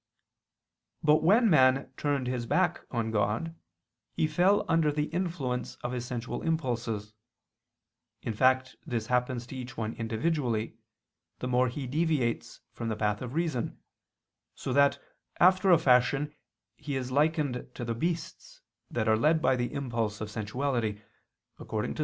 But when man turned his back on God, he fell under the influence of his sensual impulses: in fact this happens to each one individually, the more he deviates from the path of reason, so that, after a fashion, he is likened to the beasts that are led by the impulse of sensuality, according to Ps.